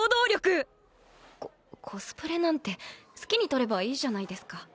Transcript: ココスプレなんて好きに撮ればいいじゃないですか。